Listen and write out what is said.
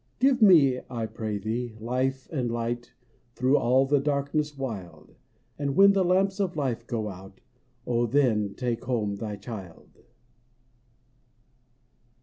Give me, I pray Thee, life and light Through all the darkness wild ; And when the lamps of life go out, Oh, then take home Thy child